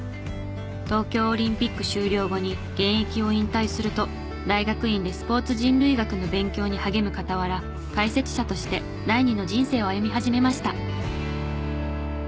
東京オリンピック終了後に現役を引退すると大学院でスポーツ人類学の勉強に励む傍ら解説者として第二の人生を歩み始めました。